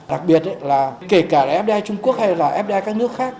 đặc biệt là kể cả fdi trung quốc hay fdi các nước khác